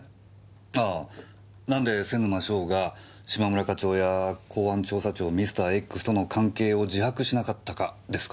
あぁ何で瀬沼翔が嶋村課長や公安調査庁Ｍｒ．Ｘとの関係を自白しなかったかですか？